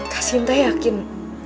kak sinta yakin